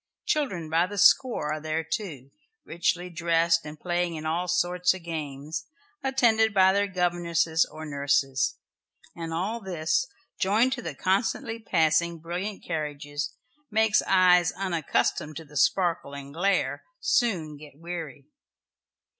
Children by the score are there too richly dressed and playing at all sorts of games, attended by their governesses or nurses, and all this, joined to the constantly passing brilliant carriages, makes eyes unaccustomed to the sparkle and glare soon get weary.